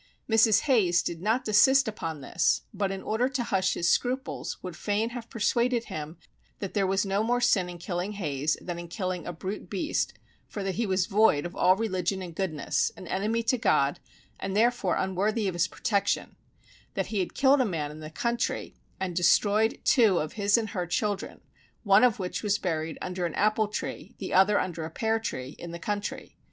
Mrs. Hayes did not desist upon this, but in order to hush his scruples would fain have persuaded him that there was no more sin in killing Hayes than in killing a brute beast for that he was void of all religion and goodness, an enemy to God, and therefore unworthy of his protection; that he had killed a man in the country, and destroyed two of his and her children, one of which was buried under an apple tree, the other under a pear tree, in the country.